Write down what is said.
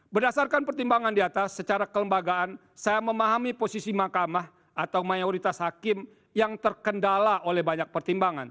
berdasarkan pertimbangan di atas secara kelembagaan saya memahami posisi mahkamah atau mayoritas hakim yang terkendala oleh banyak pertimbangan